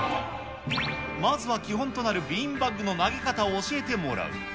まずは基本となるビーンバッグの投げ方を教えてもらう。